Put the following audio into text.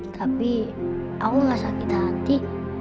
tapi aku tidak sakit hati